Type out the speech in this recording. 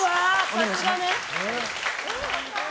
さすがね。